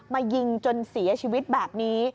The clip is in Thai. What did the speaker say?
มายิงจนเสียชีวิตแบบนี้